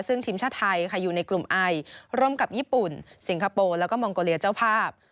ซึ่งทีมชาติไทยค่ะอยู่ในกลุ่มไอร่วมกับญี่ปุ่นสิงคโปร์แล้วก็มองโกเลียเจ้าภาพ